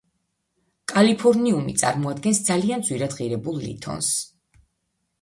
კალიფორნიუმი წარმოადგენს ძალიან ძვირად ღირებულ ლითონს.